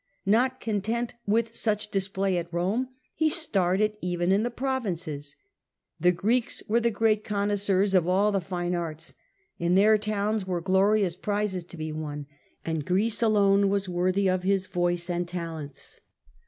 Not content with such display at Rome, he starred it even in the provinces. The Greeks were the great connoisseurs of all the fine arts ; in their towns were glorious prizes to be won, and Greece alone was worthy of his voice and talents.